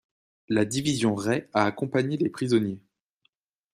La division Rey a accompagné les prisonniers.